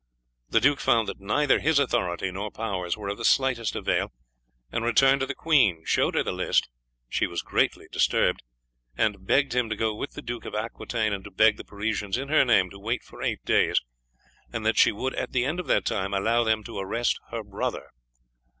The duke found that neither his authority nor powers were of the slightest avail, and returning to the queen, showed her the list. She was greatly troubled, and begged him to go with the Duke of Aquitaine and beg the Parisians in her name to wait for eight days, and that she would at the end of that time allow them to arrest her brother.